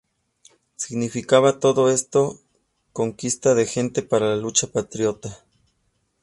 Significaba todo esto conquista de gente para la lucha patriota.